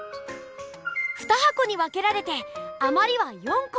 ２はこに分けられてあまりは４こ！